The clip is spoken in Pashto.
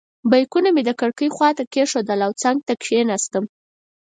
بیکونه مې د کړکۍ خواته کېښودل او څنګ ته کېناستم.